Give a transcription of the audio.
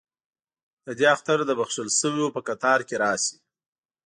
ددې اختر دبخښل شووپه کتار کې راشي